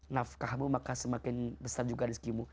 nafkahmu maka semakin besar juga rizkimu